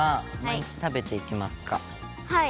はい。